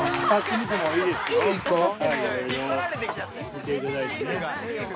◆見ていただいてね。